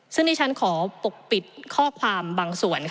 ซึ่งที่ฉันขอปกปิดข้อความบางส่วน